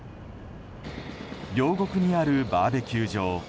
両国にあるバーベキュー場。